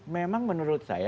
memang menurut saya